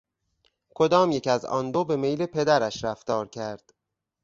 کدامیک از آن دو به میل پدرش رفتار کرد؟